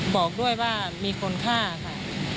บอกด้วยความรู้ว่ามีคนฆ่าค่ะ